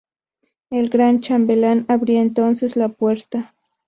El Gran Chambelán abría entonces la puerta.